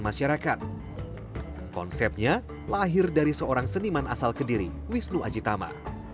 masyarakat konsepnya lahir dari seorang seniman asal kediri wisnu ajitama